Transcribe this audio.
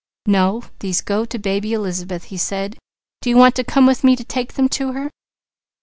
"No. These go to baby Elizabeth," he said. "Do you want to come with me to take them to her?"